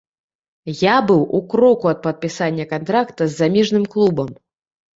Я быў у кроку ад падпісання кантракта з замежным клубам.